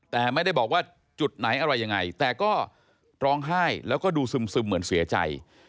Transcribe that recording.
แต่ไม่ได้บอกว่าจุดไหนอะไรยังไงแต่ก็ร้องไห้แล้วก็ดูซึมเหมือนเสียใจ